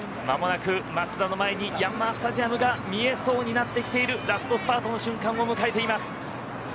間もなく松田の前にヤンマースタジアムが見えそうになってきているラストスパートの瞬間を迎えています。